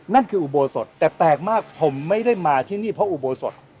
นั่นคืออุโบสถแต่แปลกมากผมไม่ได้มาที่นี่เพราะอุโบสถ